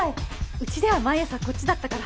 うちでは毎朝こっちだったから。